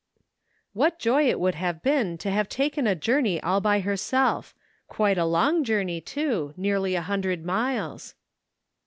What joy it would have been to have taken a journey all by herself — quite a long journey too, nearly a hundred miles.